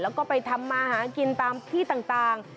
แล้วก็ไปทำมาหากินตามที่ต่าง